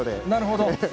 なるほど。